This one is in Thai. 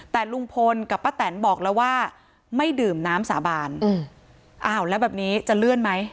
แต่ลุงพลกับป้าแตนบอกแล้วว่าไม่ดื่มน้ำสาบานอ้าวแล้วแบบนี้จะเลื่อนไหม